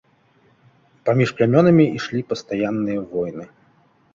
Паміж плямёнамі ішлі пастаянныя войны.